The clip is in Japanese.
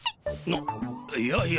なっいやいや。